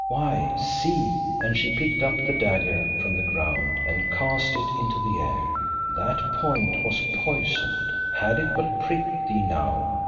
Why, see," and she picked the dagger from the ground and cast it into the air, "that point was poisoned. Had it but pricked thee now!"